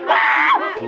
gua lihat kan